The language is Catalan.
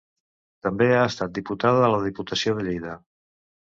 També ha estat diputada de la diputació de Lleida.